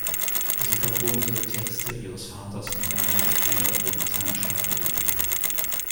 Sie vertonte Texte ihres Vaters und anderer Mitglieder venezianischer Akademien.